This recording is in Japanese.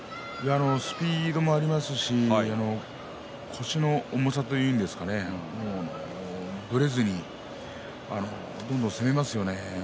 スピードがありますし腰の重さといいますかぶれずにどんどん攻めますよね。